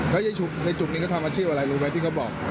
แล้วยายฉุกในจุกนี้ก็ทำอาชีพอะไรรู้ไหมที่เขาบอก